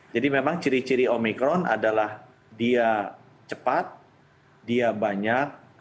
jadi memang ciri ciri omikron adalah dia cepat dia banyak